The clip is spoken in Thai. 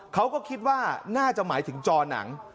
เขาก็คิดว่าน่าจะหมายถึงจอหนัง